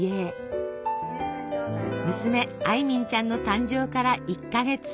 娘艾敏ちゃんの誕生から１か月。